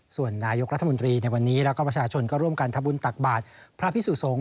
ส่วนนายกรัฐมนตรีในวันนี้แล้วก็ประชาชนก็ร่วมกันทำบุญตักบาทพระพิสุสงฆ